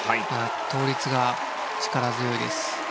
倒立が力強いです。